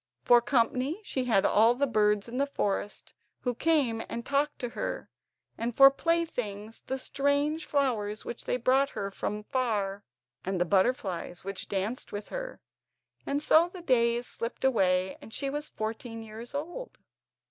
For company she had all the birds in the forest, who came and talked to her, and for playthings the strange flowers which they brought her from far, and the butterflies which danced with her. And so the days slipped away, and she was fourteen years old.